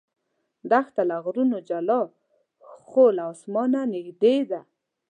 دښته له غرونو جلا خو له اسمانه نږدې ده.